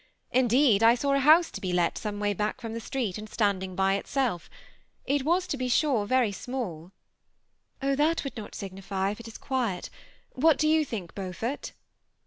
Indeed, I saw a house to be let some way back from the street, and standing by itself. It was, to be sure, very small." " Oh, that would not signify if it is quiet. What do you think, Beaufort